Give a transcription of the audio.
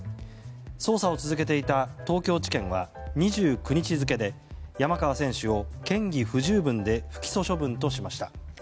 捜査を続けていた東京地検は２９日付で山川選手を嫌疑不十分で不起訴処分としました。